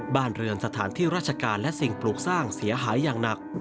บ้านเรือนสถานที่ราชการและสิ่งปลูกสร้างเสียหายอย่างหนัก